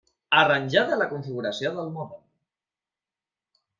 Arranjada la configuració del mòdem.